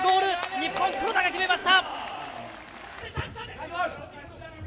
日本、黒田が決めました。